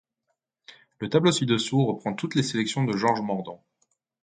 Le tableau ci-dessous reprend toutes les sélections de Georges Mordant.